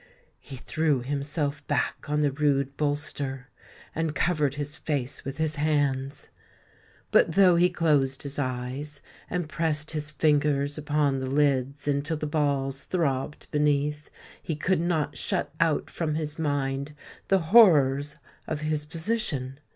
He threw himself back on the rude bolster, and covered his face with his hands. But though he closed his eyes, and pressed his fingers upon the lids until the balls throbbed beneath, he could not shut out from his mind the horrors of his position.